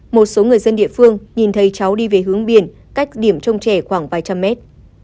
một số người dân địa phương nhìn thấy cháu đi về hướng biển cách điểm trông trẻ khoảng vài trăm mét